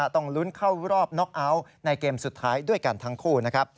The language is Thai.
ต้องลุ้นเข้ารอบน็อกเอาท์ในเกมสุดท้ายด้วยกันทั้งคู่นะครับ